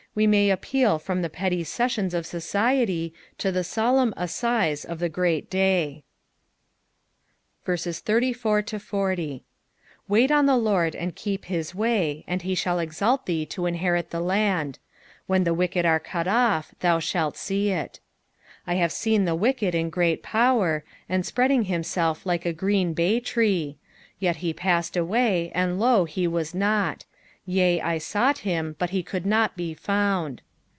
we may appeal from the petty sessions of society to the solemn assize of the great day. 34 Watt on the LORD, and keep his way, and be shall exalt thee to inherit the land: when the wicked are cut off, thou shalt see /'/. 35 I have seen the wicked in great power, and spreading himself like a green bay tree. 36 Yet he passed away, and, lo, he was not; yea, I sought him, but he could not be found.